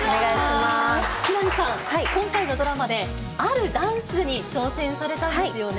木南さん、今回のドラマであるダンスに挑戦されたんですよね。